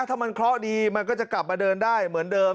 ถ้ามันเคราะห์ดีมันก็จะกลับมาเดินได้เหมือนเดิม